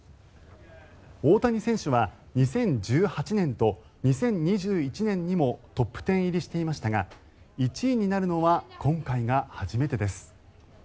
大谷選手は２０１８年と２０２１年にもトップ１０入りしていましたが１位になるのは今回が初めてです。